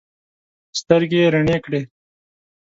سترګې یې رڼې کړې.